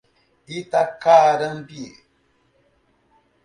Itacarambi